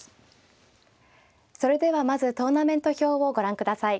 それではまずトーナメント表をご覧ください。